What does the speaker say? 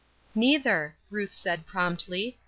"Neither," Ruth said, promptly.